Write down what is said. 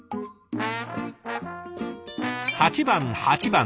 ８番８番。